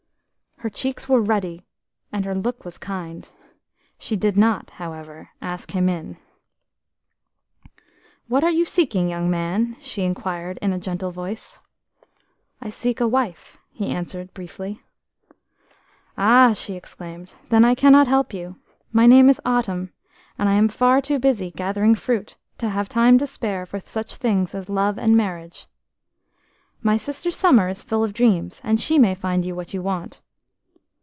Her cheeks were ruddy, and her look was kind; she did not, however, ask him in. "What are you seeking, young man?" she inquired in a gentle voice. "I seek a wife," he answered briefly. "Ah," she exclaimed, "then I cannot help you. My name is Autumn, and I am far too busy gathering fruit to have time to spare for such things as love and marriage. My sister Summer is full of dreams, and she may find you what you want."